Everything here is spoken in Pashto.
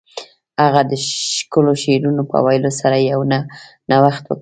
هغه د ښکلو شعرونو په ویلو سره یو نوښت وکړ